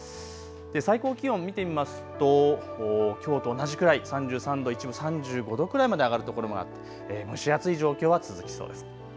最高気温見てみますときょうと同じくらい３３度、一部、３５度くらいまで上がる所もあって、蒸し暑い状況は続きそうです。